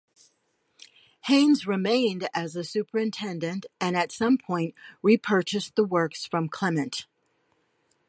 Haines remained as a superintendent and at some point repurchased the works from Clement.